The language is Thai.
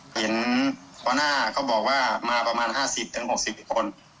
หัวหน้าเขาบอกว่ามาประมาณ๕๐๖๐คน